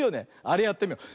あれやってみよう。